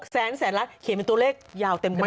แสนแสนล้านเขียนเป็นตัวเลขยาวเต็มตัว